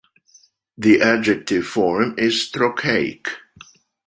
The adjective form is "trochaic".